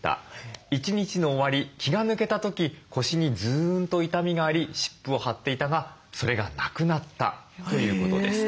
１日の終わり気が抜けた時腰にずんっと痛みがあり湿布を貼っていたがそれがなくなった」ということです。